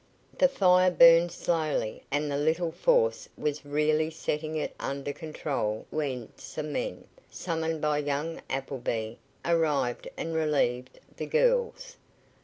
The fire burned slowly, and the little force was really setting it under control when some men, summoned by young Appleby, arrived and relieved the girls.